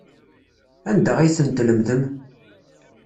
Anda ay ten-tlemdem?